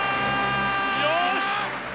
よし！